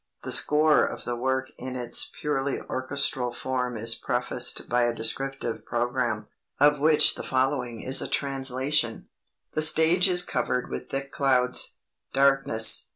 The score of the work in its purely orchestral form is prefaced by a descriptive programme, of which the following is a translation: "The stage is covered with thick clouds. Darkness.